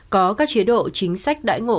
có các chế độ chính sách đại ngộ